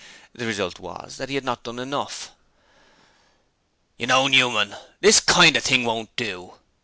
The result was that he had not done enough. 'You know, Newman, this kind of thing won't do!'